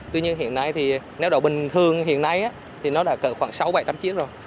tuy nhiên hiện nay thì néo đậu bình thường hiện nay thì nó đã khoảng sáu trăm linh bảy trăm linh chiếc rồi